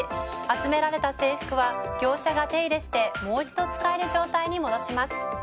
集められた制服は業者が手入れしてもう一度使える状態に戻します。